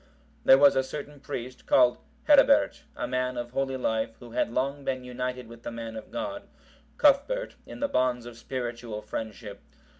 There was a certain priest, called Herebert, a man of holy life, who had long been united with the man of God, Cuthbert, in the bonds of spiritual friendship.